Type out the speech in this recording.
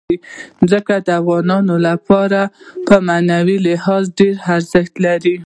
ځمکه د افغانانو لپاره په معنوي لحاظ ډېر زیات ارزښت لري.